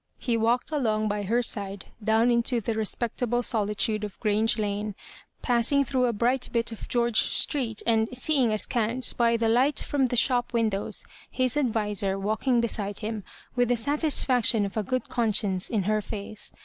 He walked along by her side down into the respectable solitude of Grange Lane, passing through a bright bit of Gleorge Street, and seeing askance, by the light from the shop windows, his adviser walking beside him, with the satisfaction of a good conscience in her face.